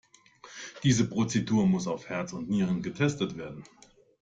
Diese Prozedur muss auf Herz und Nieren getestet werden.